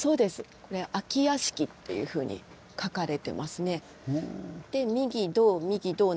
これ「明屋敷」っていうふうに書かれてますね。